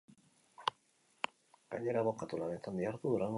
Gainera, abokatu lanetan dihardu, Durangon bulegoa izanik.